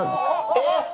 えっ！？